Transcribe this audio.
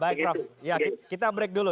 baik prof ya kita break dulu